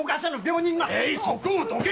ええいそこをどけ！